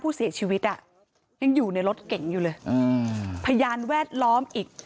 เสียชีวิตอ่ะยังอยู่ในรถเก่งอยู่เลยอืมพยานแวดล้อมอีก